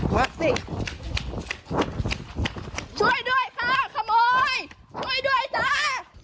มาสิช่วยด้วยค่ะขโมยช่วยด้วยจ้า